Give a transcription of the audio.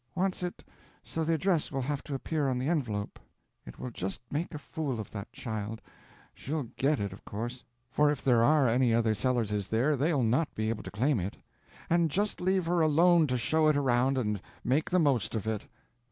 "Wants it so the address will have to appear on the envelop. It will just make a fool of that child. She'll get it, of course, for if there are any other Sellerses there they'll not be able to claim it. And just leave her alone to show it around and make the most of it.